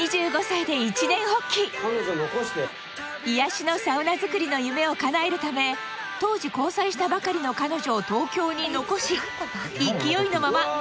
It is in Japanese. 癒やしのサウナ作りの夢をかなえるため当時交際したばかりの彼女を東京に残し勢いのまま